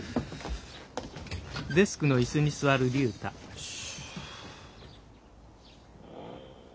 よし。